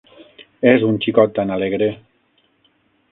És un xicot tan alegre.